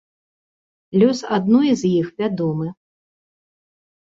Лёс адной з іх вядомы.